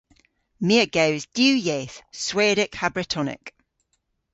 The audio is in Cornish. My a gews diw yeth - Swedek ha Bretonek.